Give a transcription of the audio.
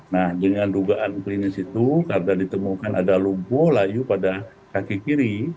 nah dengan dugaan klinis itu karena ditemukan ada lumpuh layu pada kaki kiri